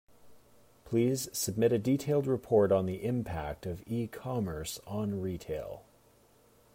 Please submit a detailed report on the impact of e-commerce on retail.